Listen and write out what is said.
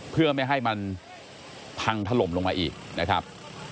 เพื่อไม่ให้มันพังถล่มลงมาอีกนะครับ